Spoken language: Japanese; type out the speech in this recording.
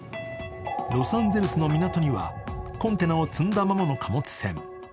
ロサンゼルスの港にはコンテナを積んだままの貨物船。